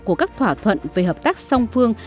của các thỏa thuận về hợp tác song phương